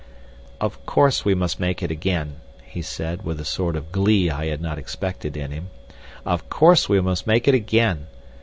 "Of course we must make it again," he said, with a sort of glee I had not expected in him, "of course we must make it again.